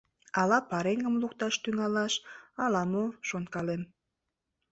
— Ала пареҥгым лукташ тӱҥалаш, ала-мо, шонкалем.